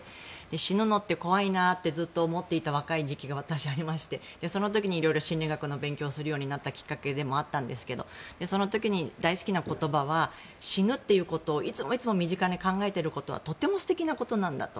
死ぬのって怖いなってずっと思っていた若い時期がありましてその時に色々心理学の勉強をするようになったきっかけでもあるんですがその時に大好きな言葉は死ぬということをいつも身近に考えていることはとても素敵なことなんだと。